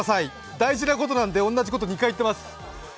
大事なことなので同じことを２回言っています。